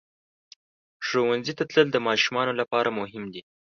ښوونځي ته تلل د ماشومانو لپاره مهم دي.